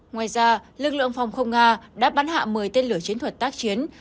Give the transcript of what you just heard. ngoài ra lực lượng phòng không nga đã bắn hạ một mươi tên lửa chiến thuật tác chiến